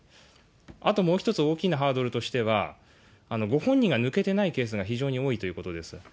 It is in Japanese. あともう一つ大きなハードルとしては、ご本人が抜けてないケースが非常に多いということです。